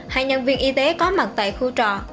hai nhân viên y tế có mặt tại khu trọ